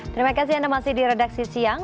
terima kasih anda masih di redaksi siang